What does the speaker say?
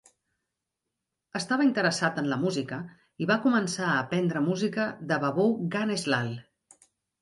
Estava interessat en la música i va començar a aprendre música de Babu Ganesh Lal.